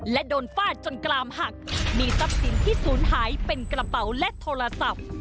และโดนฟาดจนกลามหักมีทรัพย์สินที่ศูนย์หายเป็นกระเป๋าและโทรศัพท์